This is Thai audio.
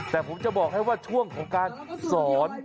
แต่ผมจะบอกให้ว่าช่วงของการสอน